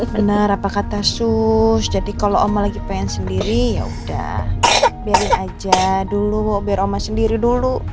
benar apa kata sus jadi kalau oma lagi pengen sendiri yaudah biarin aja dulu biar oma sendiri dulu